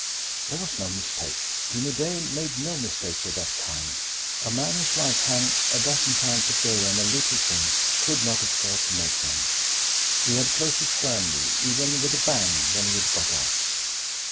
There was no mistake. Jimmie Dale made no mistakes of that kind, a man whose life hung a dozen times a day on little things could not afford to make them. He had closed it firmly, even with a bang, when he had got out.